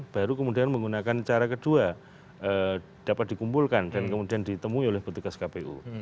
baru kemudian menggunakan cara kedua dapat dikumpulkan dan kemudian ditemui oleh petugas kpu